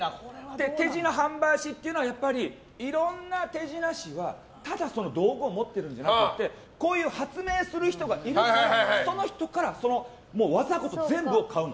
手品販売師っていうのはやっぱり、いろんな手品師はただ道具を持ってるんじゃなくてこういう発明する人がいるからその人から技ごと全部を買う。